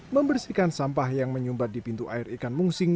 membersihkan sampah yang menyumbat di pintu air ikan mungsing